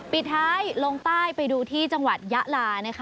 ปิดท้ายลงใต้ไปดูที่จังหวัดยะลานะคะ